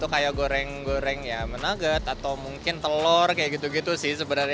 kayak goreng goreng menaget atau mungkin telur